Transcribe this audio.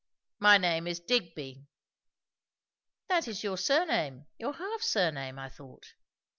"My name is Digby." "That is your surname your half surname, I thought."